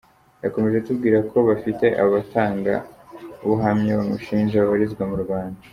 Yakomeje atubwira ko bafite abatanga buhamya bamushinja babarizwa mu Rwanda.